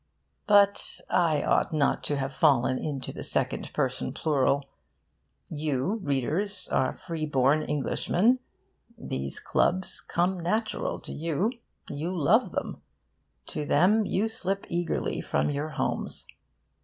but I ought not to have fallen into the second person plural. You, readers, are free born Englishmen. These clubs 'come natural' to you. You love them. To them you slip eagerly from your homes.